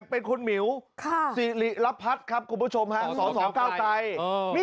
เป็นคุณหมิวสิริรพัฒน์ครับคุณผู้ชมฮะสสเก้าไกร